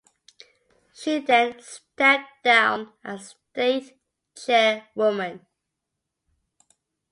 She then stepped down as state chairwoman.